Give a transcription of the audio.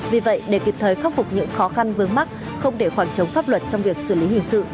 vì vậy để kịp thời khắc phục những khó khăn vướng mắt không để khoảng trống pháp luật trong việc xử lý hình sự